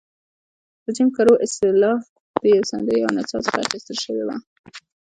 د جیم کرو اصطلاح د یوې سندرې او نڅا څخه اخیستل شوې وه.